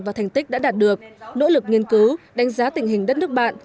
và thành tích đã đạt được nỗ lực nghiên cứu đánh giá tình hình đất nước bạn